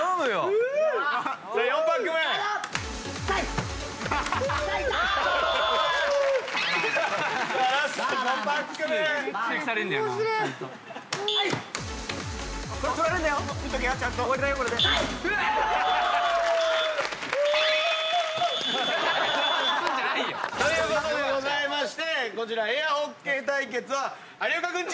フゥ！ということでございましてこちらエアホッケー対決は有岡君チームの勝利です！